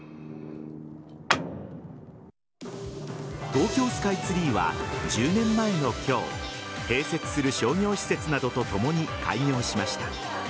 東京スカイツリーは１０年前の今日併設する商業施設などとともに開業しました。